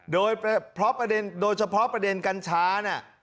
โดยเฉพาะประเด็นกัญชาน่ะ